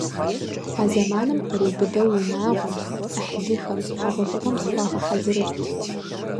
А зэманым къриубыдэу унагъуэм, Ӏыхьлыхэм хьэгъуэлӀыгъуэм зыхуагъэхьэзырырт.